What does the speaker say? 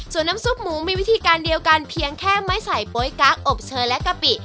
ส่วนน้ำซุปหมูมีวิธีการเดียวกันเพียงแค่ไม่ใส่โป๊ยกั๊กอบเชยและกะปิ